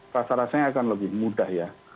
rasa rasanya akan lebih mudah ya